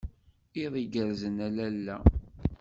Iḍ igerrzen a lalla.